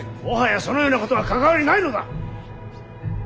もはやそのようなことは関わりないのだ！